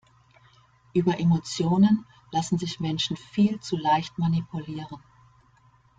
Über Emotionen lassen sich Menschen viel zu leicht manipulieren.